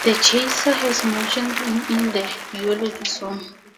The Chaser has mentioned him in "The Eulogy Song".